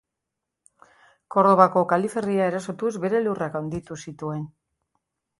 Kordobako kaliferria erasotuz bere lurrak handitu zituen.